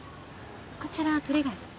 こちら鳥貝さん？